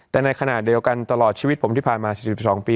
แต่ในขณะเดียวกันตลอดชีวิตผมที่ผ่านมา๔๒ปี